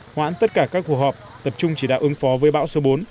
hoãn tất cả các cuộc họp tập trung chỉ đạo ứng phó với bão số bốn